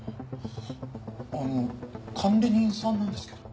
あの管理人さんなんですけど。